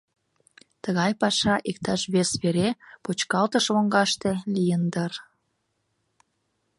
Тыгай паша иктаж вес вере, почкалтыш лоҥгаште, лийын дыр...